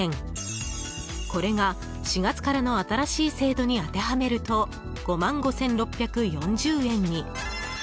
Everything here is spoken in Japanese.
これが４月からの新しい制度に当てはめると、５万５６４０円に。